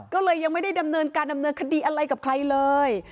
ก็เลยยังไม่ได้ดำเนินการดำเนินคดีอะไรกับใครเลย